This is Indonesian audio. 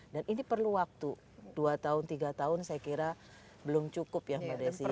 ini perlu waktu dua tahun tiga tahun saya kira belum cukup ya mbak desi